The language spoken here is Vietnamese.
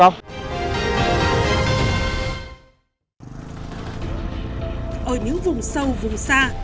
ở những vùng sâu vùng xa